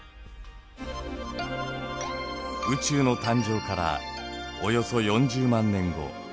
宇宙の誕生からおよそ４０万年後。